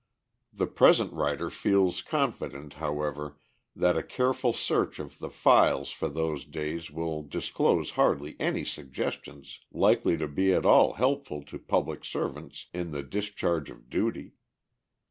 The present writer feels confident, however, that a careful search of the files for those days will disclose hardly any suggestions likely to be at all helpful to public servants in the discharge of duty.